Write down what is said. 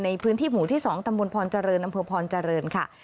ในพื้นที่หมู่ที่๒ตำบลพรเจริญอำเภอพรเจริญค่ะ